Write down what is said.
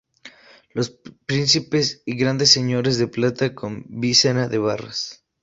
Los príncipes y grandes señores, de plata con visera de barras.